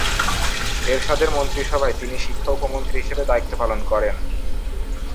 এরশাদের মন্ত্রিসভায় তিনি শিক্ষা-উপমন্ত্রী হিসেবে দায়িত্ব পালন করেন।